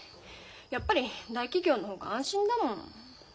やっぱり大企業の方が安心だもん。